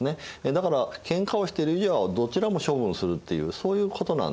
だから喧嘩をしている以上はどちらも処分するっていうそういうことなんですね。